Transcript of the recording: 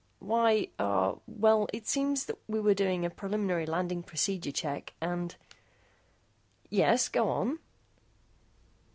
"Why, uh, well it seems that we were doing a preliminary landing procedure check, and ..." "Yes, go on."